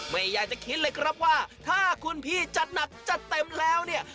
ไม่อยากจะคิดเลยครับว่าถ้าคุณพี่จัดหนักจัดเต็มแล้วเนี่ย